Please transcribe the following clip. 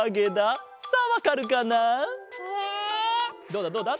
どうだどうだ？